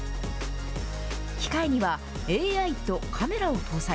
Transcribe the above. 機械にはＡＩとカメラを搭載。